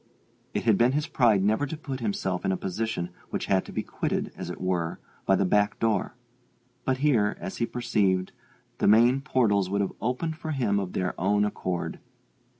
It had been his pride never to put himself in a position which had to be quitted, as it were, by the back door; but here, as he perceived, the main portals would have opened for him of their own accord.